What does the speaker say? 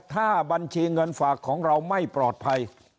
ถ้าบัญชีเงินฝากของเราไม่ปลอดภัย